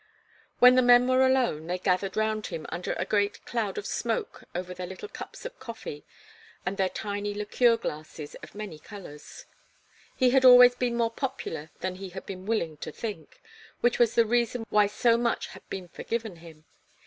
When the men were alone, they gathered round him under a great cloud of smoke over their little cups of coffee and their tiny liqueur glasses of many colours. He had always been more popular than he had been willing to think, which was the reason why so much had been forgiven him.